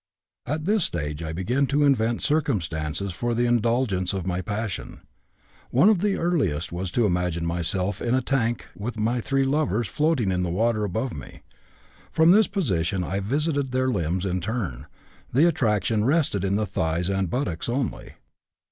"At this stage I began to invent circumstances for the indulgence of my passion. One of the earliest was to imagine myself in a tank with my three lovers floating in the water above me. From this position I visited their limbs in turn; the attraction rested in the thighs and buttocks only.